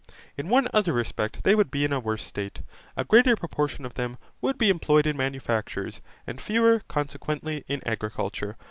In one other respect they would be in a worse state. A greater proportion of them would be employed in manufactures, and fewer, consequently, in agriculture.